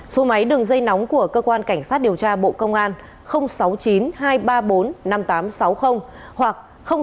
số máy đường dây nóng của cơ quan cảnh sát điều tra bộ công an sáu mươi chín hai trăm ba mươi bốn năm nghìn tám trăm sáu mươi hoặc sáu mươi chín hai trăm ba mươi hai một nghìn sáu trăm bảy